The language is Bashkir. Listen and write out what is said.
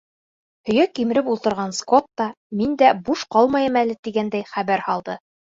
Һөйәк кимереп ултырған Скотт та, мин дә буш ҡалмайым әле, тигәндәй хәбәр һалды.